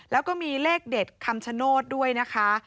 แล้วก็มีเลขเด็ดคำชโนธด้วยนะคะ